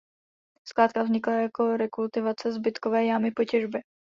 Skládka vznikla jako „rekultivace“ zbytkové jámy po těžbě.